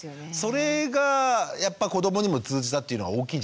それがやっぱ子どもにも通じたっていうのは大きいんじゃないですか？